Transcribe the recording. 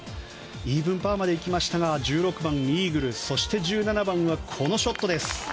イーブンパーまでいきましたが１６番、イーグルそして１７番はこのショット。